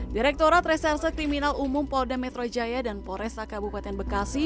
direkturat reserse kriminal umum polda metro jaya dan pores kabupaten bekasi